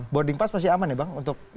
bording pas pasti aman ya bang